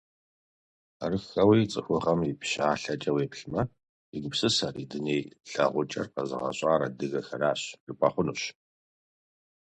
Арыххэуи, цӀыхугъэм и пщалъэкӀэ уеплъмэ, и гупсысэр, и дуней лъагъукӀэр къэзыгъэщӀар адыгэхэращ, жыпӀэ хъунущ.